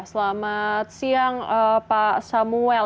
selamat siang pak samuel